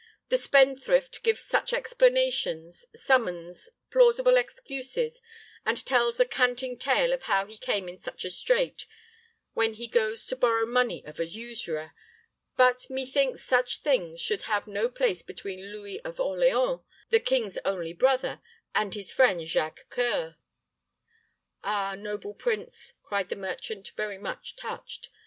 The spendthrift gives such explanations, summons plausible excuses, and tells a canting tale of how he came in such a strait, when he goes to borrow money of a usurer; but methinks such things should have no place between Louis of Orleans, the king's only brother, and his friend Jacques C[oe]ur." "Ah, noble prince," cried the merchant, very much touched.